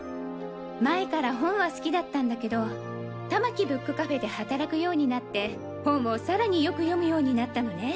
前から本は好きだったんだけど玉木ブックカフェで働くようになって本をさらによく読むようになったのね。